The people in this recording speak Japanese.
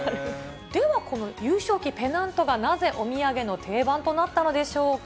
ではこの優勝旗・ペナントがなぜお土産の定番となったのでしょうか。